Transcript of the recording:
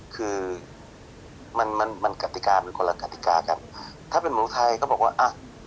คือมันมันมันกฎิกาเป็นคนละกฎิกากันถ้าเป็นหมูไทยเขาบอกว่าอ่ะ